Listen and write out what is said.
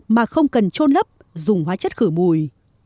mà không cần trôn lấp dùng hóa chất khử mùi